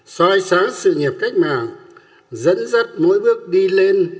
soi sáng sự nghiệp cách mạng dẫn dắt mỗi bước đi lên